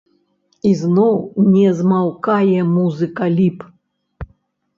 І зноў не змаўкае музыка ліп.